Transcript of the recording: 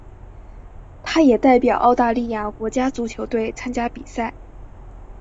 他也代表澳大利亚国家足球队参加比赛。